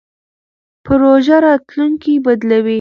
پروژه راتلونکی بدلوي.